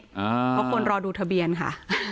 เพราะคนรอดูทะเบียนค่ะ